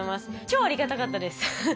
超ありがたかったです。